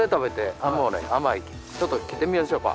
ちょっと切ってみましょうか。